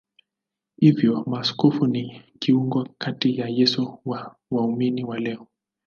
Hivyo maaskofu ni kiungo kati ya Yesu na waumini wa leo.